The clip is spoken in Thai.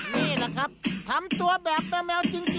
นี่แหละครับทำตัวแบบแมวจริง